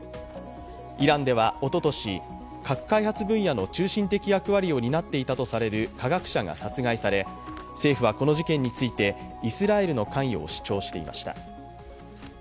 イランではおととし、核開発分野の中心的役割を担っていたとされる科学者が殺害され政府はこの事件についてイスラエルの関与を主張していました。